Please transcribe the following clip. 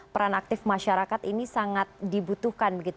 peran aktif masyarakat ini sangat dibutuhkan